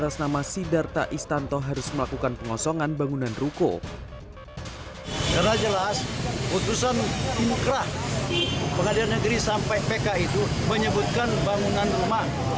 ini artinya kan satu kejahatan terhadap hukum